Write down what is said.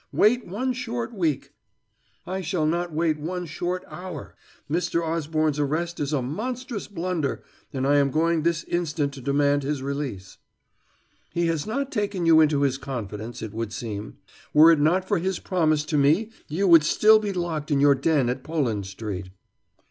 Wait one short week " "I shall not wait one short hour. Mr. Osborne's arrest is a monstrous blunder, and I am going this instant to demand his release." "He has not taken you into his confidence, it would seem. Were it not for his promise to me you would still be locked in your den at Poland Street."